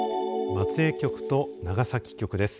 松江局と長崎局です。